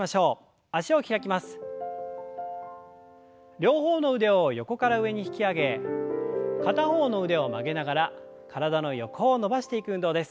両方の腕を横から上に引き上げ片方の腕を曲げながら体の横を伸ばしていく運動です。